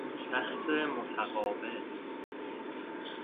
شخص متقابل